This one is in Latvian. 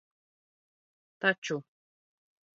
Ta?u